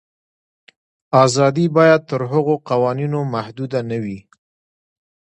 آزادي باید تر هغو قوانینو محدوده نه وي.